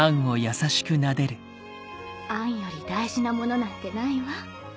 アンより大事なものなんてないわ。